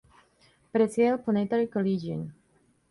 Preside el Planetary Collegium.